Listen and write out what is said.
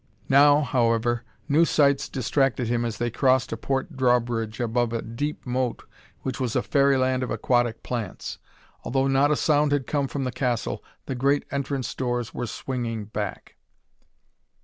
Now, however, new sights distracted him as they crossed a port drawbridge above a deep moat which was a fairyland of aquatic plants. Although not a sound had come from the castle, the great entrance doors were swinging back.